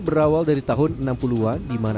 berawal dari tahun enam puluh an